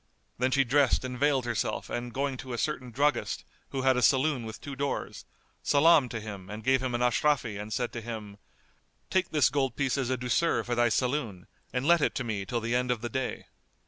Then she dressed and veiled herself and going to a certain druggist, who had a saloon with two doors, salamed to him and gave him an ashrafí and said to him, "Take this gold piece as a douceur for thy saloon and let it to me till the end of the day."